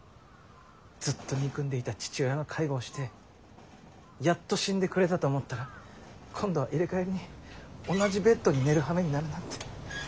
ずっと憎んでいた父親の介護をしてやっと死んでくれたと思ったら今度は入れ替わりに同じベッドに寝るはめになるなんて。